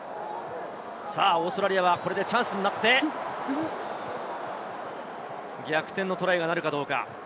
オーストラリアはこれでチャンスになって逆転のトライとなるかどうか。